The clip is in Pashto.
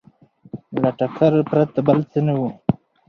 له ټکر پرته بل څه نه وو